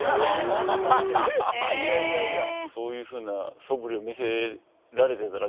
そういうそぶりを見せられてたら。